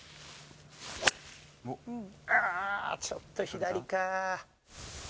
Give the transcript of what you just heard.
ちょっと左か。